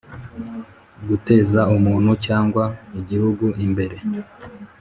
guteza umuntu cyangwa igihugu imbere